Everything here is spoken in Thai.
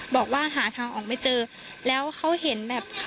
บอกว่าหาทางออกไม่เจอแล้วเขาเห็นแบบ